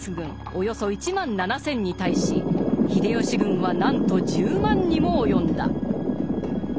およそ１万７，０００に対し秀吉軍はなんと１０万にも及んだ。